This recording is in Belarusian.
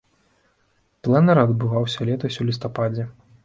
Пленэр адбываўся летась у лістападзе.